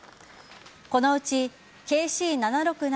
このうちＫＣ‐７６７